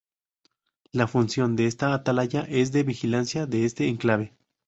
La función de esta atalaya es de vigilancia de este enclave.